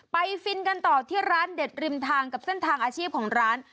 ฟินกันต่อที่ร้านเด็ดริมทางกับเส้นทางอาชีพของร้าน